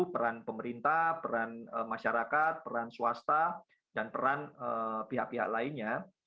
peran pemerintah peran masyarakat peran swasta dan peran pihak pihak lainnya